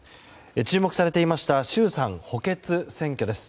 注目されていました衆参補欠選挙です。